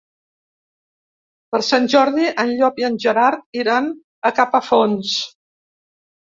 Per Sant Jordi en Llop i en Gerard iran a Capafonts.